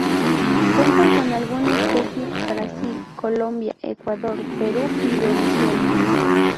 Cuentan con alguna especie Brasil, Colombia, Ecuador, Perú, y Venezuela.